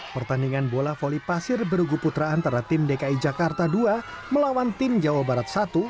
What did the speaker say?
pertandingan bola voli pasir berugu putra antara tim dki jakarta dua melawan tim jawa barat satu